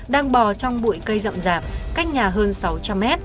đang bò trong bụi cây rậm rạp cách nhà hơn sáu trăm linh m